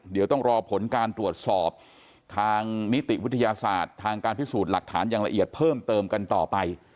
เดี๋ยวต้องรอผลการตรวจสอบทางนิติวิทยาศาสตร์ทางการพิสูจน์หลักฐานอย่างละเอียดเพิ่มเติมกันต่อไป